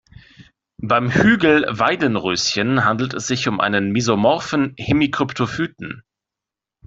Beim Hügel-Weidenröschen handelt es sich um einen mesomorphen Hemikryptophyten.